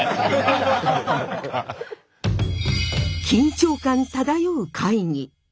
緊張感漂う会議。